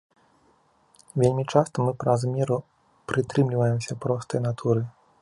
Вельмі часта мы праз меру прытрымліваемся простае натуры.